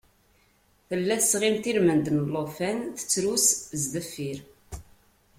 Tella tesɣimt ilmend n llufan, tettrus s deffir.